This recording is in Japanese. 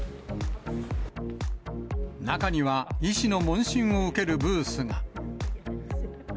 中には、医師の問診を受けるブースが。